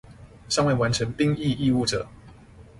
尚未完成兵役義務者